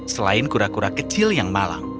selain kura kura kecil yang malang